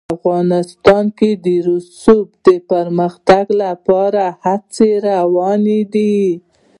افغانستان کې د رسوب د پرمختګ لپاره هڅې روانې دي.